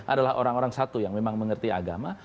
adalah orang orang satu yang memang mengerti agama